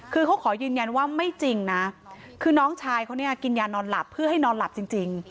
คือเขาขอยืนยันว่าไม่จริงนะคือน้องชายเขาเนี่ยกินยานอนหลับเพื่อให้นอนหลับจริง